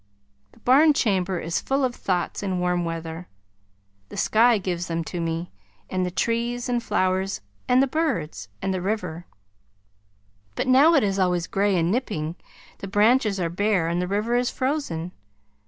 The barn chamber is full of thoughts in warm weather. The sky gives them to me, and the trees and flowers, and the birds, and the river; but now it is always gray and nipping, the branches are bare and the river is frozen.